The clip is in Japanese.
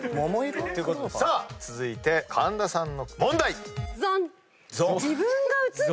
さあ続いて神田さんの問題。